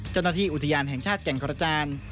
เจ้าหน้าที่อุทยานแห่งชาติแก่งกระจาน